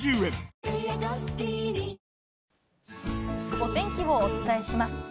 お天気をお伝えします。